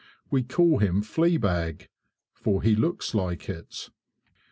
We call him Fleabag, for he looks like it.